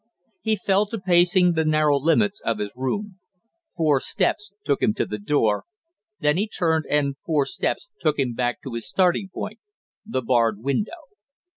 He fell to pacing the narrow limits of his room; four steps took him to the door, then he turned and four steps took him back to his starting point, the barred window.